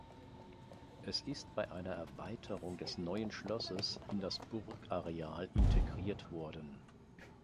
Es ist bei einer Erweiterung des Neuen Schlosses in das Burgareal integriert worden.